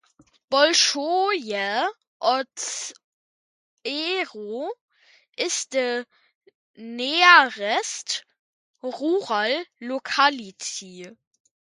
Bolshoye Ozero is the nearest rural locality.